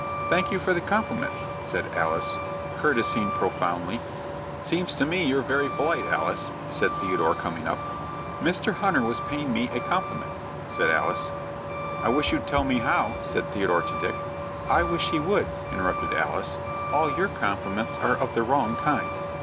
"Thank you for the compliment," said Alice, courtesying profoundly. "Seems to me you're very polite, Alice," said Theodore, coming up. "Mr. Hunter was paying me a compliment," said Alice. "I wish you'd tell me how," said Theodore to Dick. "I wish he would," interrupted Alice. "All your compliments are of the wrong kind."